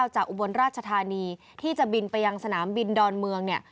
๙๓๑๙จากอุบลราชธานีที่จะบินไปยังสนามบินดอนเมือง